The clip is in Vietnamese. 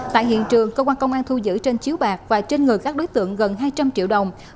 tại hiện trường cơ quan công an thu giữ trên chiếu bạc và trên người các đối tượng gần hai trăm linh triệu đồng